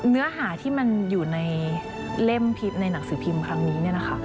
เนื้อหาที่อยู่ในหนังสือพิมพ์ครั้งนี้